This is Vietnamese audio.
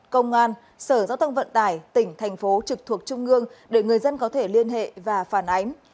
công an sở giao thông vận tải tỉnh thành phố trực thuộc trung ương để người dân có thể liên hệ và phản ánh